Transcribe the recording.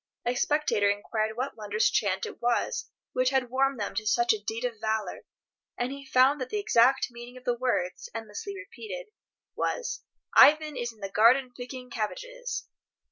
A spectator inquired what wondrous chant it was which had warmed them to such a deed of valour, and he found that the exact meaning of the words, endlessly repeated, was "Ivan is in the garden picking cabbages."